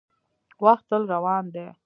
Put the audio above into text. • وخت تل روان دی.